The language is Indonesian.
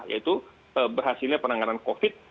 yaitu berhasilnya penanganan covid sembilan belas